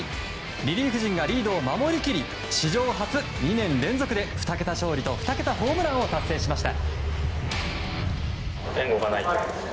リリーフ陣がリードを守り切り史上初２年連続２桁勝利と２桁ホームランを達成しました。